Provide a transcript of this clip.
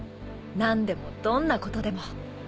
何でもどんなことでも。